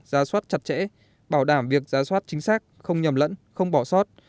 giả soát chặt chẽ bảo đảm việc giả soát chính xác không nhầm lẫn không bỏ sót